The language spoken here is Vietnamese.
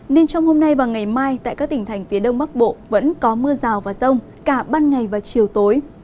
nên trong hôm nay và ngày mai tại các tỉnh thành phía đông bắc bộ vẫn có mưa rào và rông cả ban ngày và chiều tối